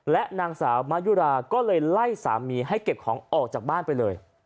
และนางสาวมายุราก็เลยไล่สามีให้เก็บของออกจากบ้านไปเลย